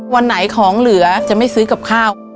วันไหนของเหลือจะไม่ซื้อกับข้าว